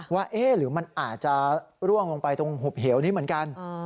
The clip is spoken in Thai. ว่าหรือมันอาจจะร่วงลงไปตรงหุบเหวนี้เหมือนกัน